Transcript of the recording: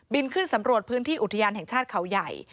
ขึ้นสำรวจพื้นที่อุทยานแห่งชาติเขาใหญ่